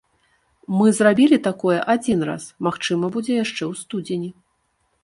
Мы зрабілі такое адзін раз, магчыма будзе яшчэ ў студзені.